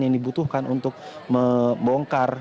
yang dibutuhkan untuk membongkar